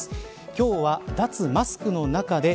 今日は脱マスクの中で